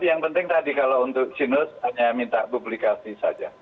yang penting tadi kalau untuk jinos hanya minta publikasi saja